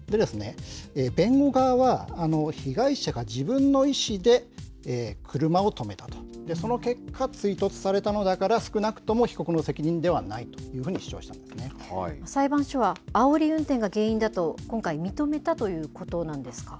弁護側は、被害者が自分の意思で車を止めたと、その結果、追突されたのだから少なくとも被告の責任ではないというふうに主裁判所は、あおり運転が原因だと今回、認めたということなんですか。